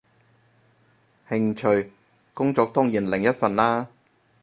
興趣，工作當然另一份啦